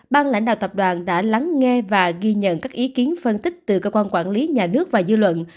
ban lãnh đạo tập đoàn đã lắng nghe và ghi nhận các ý kiến phân tích từ cơ quan quản lý nhà nước và dư luận